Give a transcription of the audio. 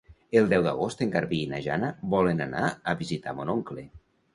El deu d'agost en Garbí i na Jana volen anar a visitar mon oncle.